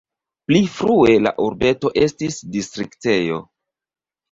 Pli frue la urbeto estis distriktejo.